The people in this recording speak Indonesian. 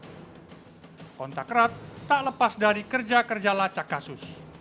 kontak erat tak lepas dari kerja kerja lacak kasus